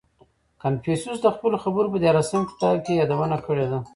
• کنفوسیوس د خپلو خبرو په دیارلسم کتاب کې یې یادونه کړې ده.